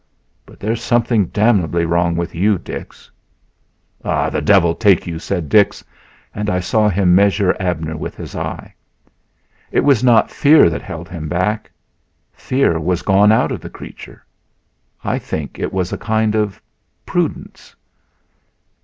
"But there's something damnably wrong with you, Dix." "The devil take you," said Dix, and I saw him measure Abner with his eye. It was not fear that held him back; fear was gone out of the creature; I think it was a kind of prudence.